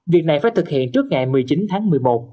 việc này phải thực hiện trước ngày một mươi chín tháng một mươi một